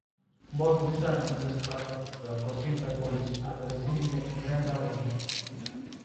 Both Mr. and Mrs. Crawford were questioned by police after receiving a Miranda warning.